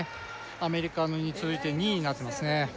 アメリカに続いて２位になってますね